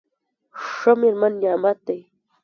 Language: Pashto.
ښه مېرمن نعمت دی.